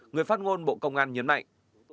người phát ngôn bộ công an nhấn mạnh